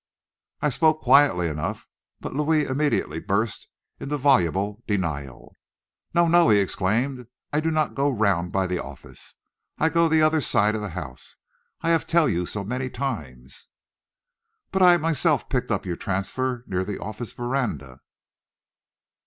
I spoke quietly enough, but Louis immediately burst into voluble denial. "No, no!" he exclaimed; "I do not go round by the office, I go the other side of the house. I have tell you so many times." "But I myself picked up your transfer near the office veranda."